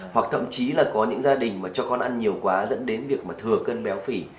hoặc thậm chí là có những gia đình mà cho con ăn nhiều quá dẫn đến việc mà thừa cân béo phỉ